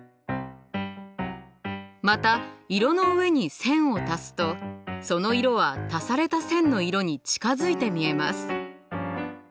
また色の上に線を足すとその色は足された線の色に近づいて見えます。